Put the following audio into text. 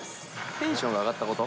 テンションが上がったこと？